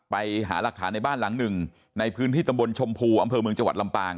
ไปหาหลักฐานในบ้านหลังหนึ่งในพื้นที่ตำบลชมพูอำเภอเมืองจังหวัดลำปาง